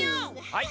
はい。